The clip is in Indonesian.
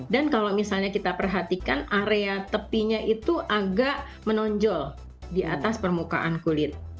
dan kalau misalnya kita perhatikan area tepinya itu agak menonjol di atas permukaan kulit